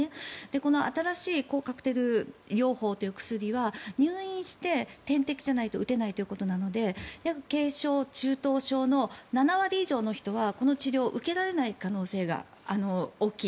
この新しい抗体カクテル療法という薬は入院して、点滴じゃないと打てないということなので軽症・中等症の７割以上の人はこの治療を受けられない可能性が大きい。